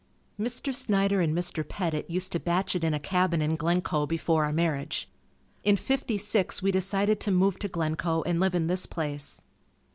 Mr. Snyder and Mr. Pettit used to batch it in a cabin in Glencoe before our marriage. In '56 we decided to move to Glencoe and live in this place.